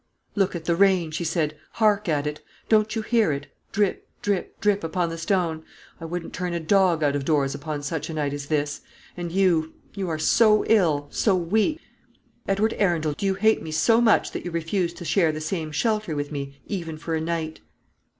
"Look at the rain," she said; "hark at it; don't you hear it, drip, drip, drip upon the stone? I wouldn't turn a dog out of doors upon such a night as this; and you you are so ill so weak. Edward Arundel, do you hate me so much that you refuse to share the same shelter with me, even for a night?"